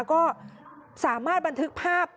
ก็สามารถบันทึกภาพ